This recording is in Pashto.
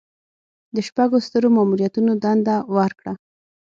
د شپږو سترو ماموریتونو دنده ورکړه.